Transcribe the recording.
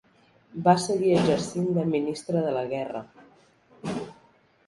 Va seguir exercint de ministre de la Guerra.